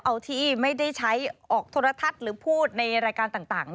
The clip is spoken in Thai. เอาที่ไม่ได้ใช้ออกโทรทัศน์หรือพูดในรายการต่าง